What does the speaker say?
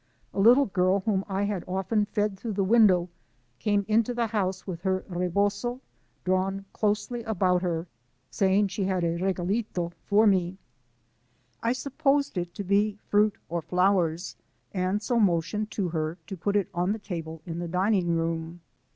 A little girl whom I had often fed through the window, came into the house with her rebozo drawn closely about her, saying she had a re galito for me. I supposed it to be fruit or flowers, and so motioned to her to put it on the table in the dining room.